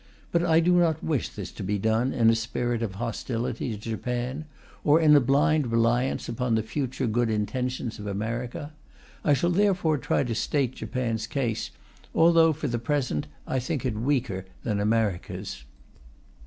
But I do not wish this to be done in a spirit of hostility to Japan, or in a blind reliance upon the future good intentions of America. I shall therefore try to state Japan's case, although, for the present, I think it weaker than America's.